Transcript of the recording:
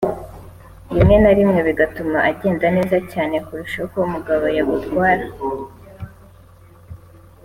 rimwe na rimwe bigatuma agenda neza cyane kurusha uko umugabo yagutwara